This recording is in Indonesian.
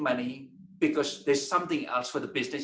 karena ada sesuatu lain untuk bisnis